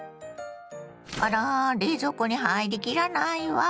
あら冷蔵庫に入り切らないわ。